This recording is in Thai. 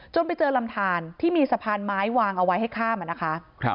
ไปเจอลำทานที่มีสะพานไม้วางเอาไว้ให้ข้ามนะคะ